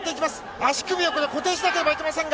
足首をこれ、固定しなければいけませんが。